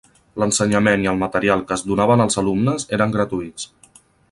L'ensenyament i el material que es donava als alumnes eren gratuïts.